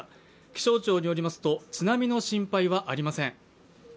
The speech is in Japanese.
気象庁によりますと、津波の心配はありません。